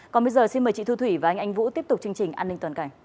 còn bây giờ xin mời chị thu thủy và anh anh vũ tiếp tục chương trình an ninh toàn cảnh